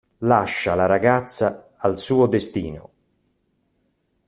Lascia la ragazza al suo destino.